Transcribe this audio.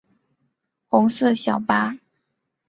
红色小巴